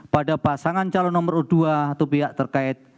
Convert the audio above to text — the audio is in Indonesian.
pada pasangan calon nomor urut dua atau pihak terkait